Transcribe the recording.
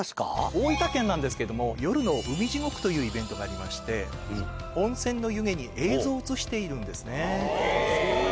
大分県なんですけども夜の海地獄というイベントがありまして温泉の湯気に映像を映しているんですね。